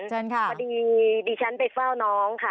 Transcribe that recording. สวัสดีดิฉันไปเฝ้าน้องค่ะ